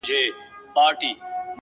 د زړه له درده درته وايمه دا ـ